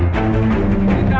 kamu dimana sinta